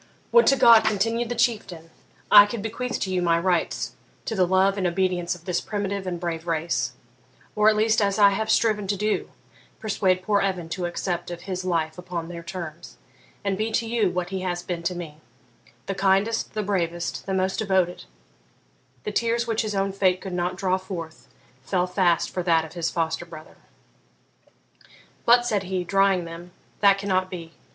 'Would to God,' continued the Chieftain, 'I could bequeath to you my rights to the love and obedience of this primitive and brave race; or at least, as I have striven to do, persuade poor Evan to accept of his life upon their terms, and be to you what he has been to me, the kindest, the bravest, the most devoted ' The tears which his own fate could not draw forth fell fast for that of his foster brother. 'But,' said he, drying them,'that cannot be.